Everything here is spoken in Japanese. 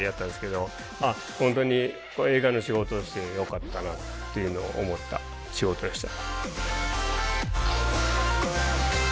ああ本当に映画の仕事をしてよかったなっていうのを思った仕事でした。